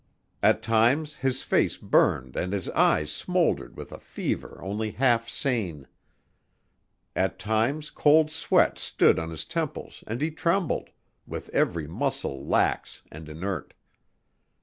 At times his face burned and his eyes smoldered with a fever only half sane. At times cold sweat stood on his temples and he trembled, with every muscle lax and inert.